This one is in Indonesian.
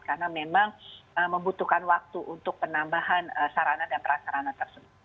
karena memang membutuhkan waktu untuk penambahan sarana dan prasarana tersebut